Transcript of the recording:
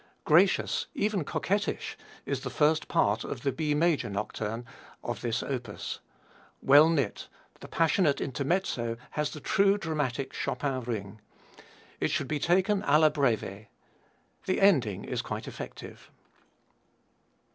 Gracious, even coquettish, is the first part of the B major Nocturne of this opus. Well knit, the passionate intermezzo has the true dramatic Chopin ring. It should be taken alla breve. The ending is quite effective.